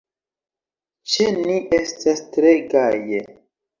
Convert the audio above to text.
Ĉe ni estas tre gaje.